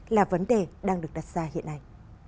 là vấn đề đang được đặt ra hiện nay